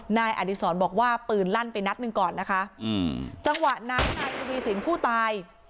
นายอดีศรบอกว่าปืนลั่นไปนัดหนึ่งก่อนนะคะอืมจังหวะนั้นนายทวีสินผู้ตาย